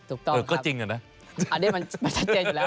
ถูกต้องเออก็จริงอะนะอันนี้มันไม่ชัดเจนอยู่แล้ว